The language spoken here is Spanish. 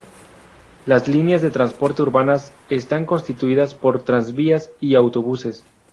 Las líneas de transportes urbanas están constituidas por tranvías y autobuses.